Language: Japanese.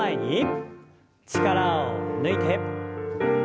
力を抜いて。